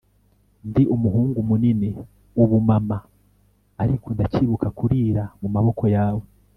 ndi umuhungu munini ubu mama, ariko ndacyibuka kurira mumaboko yawe